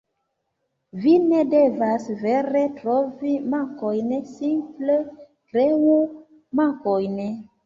Vi ne devas vere trovi mankojn, simple kreu mankojn.